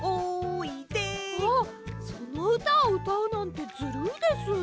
そのうたをうたうなんてずるいです！